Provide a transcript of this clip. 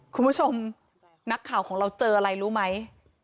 คุณผู้ชมนักข่าวของเราเจออะไรรู้ไหม